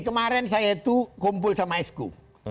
kemarin saya itu kumpul sama esku